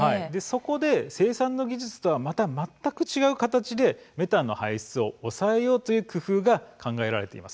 そこで今、生産の技術とは全く違う形でメタンの排出を抑えようという工夫が考えられています。